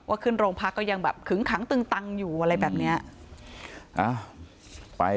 ขึ้นโรงพักก็ยังแบบขึ้งขังตึงตังอยู่อะไรแบบนี้